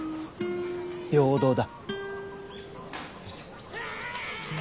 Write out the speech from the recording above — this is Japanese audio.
平等だ。